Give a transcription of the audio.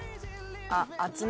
あっ。